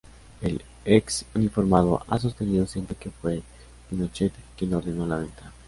El ex uniformado ha sostenido siempre que fue Pinochet quien ordenó la venta.